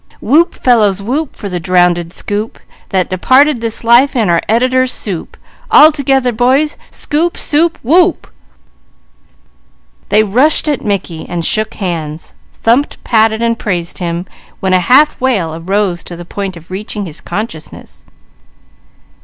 Whoop fellers, whoop, for the drownded scoop, That departed this life in our Editor's soup! All together boys, Scoop! Soup! Whoop!_ They rushed at Mickey, shook hands, thumped, patted and praised him, when a wail arose to the point of reaching his consciousness.